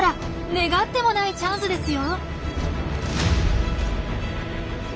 願ってもないチャンスですよ！